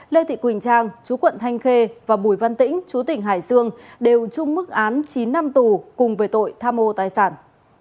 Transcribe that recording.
lê thị quỳnh trang chú quận thanh khê và bùi văn tĩnh chú tỉnh hải dương đều chung mức án chín năm tù cùng về tội tham mô tài sản